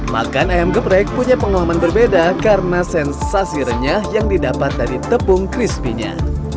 makan ayam geprek punya pengalaman berbeda karena sensasi renyah yang didapat dari tepung crispy nya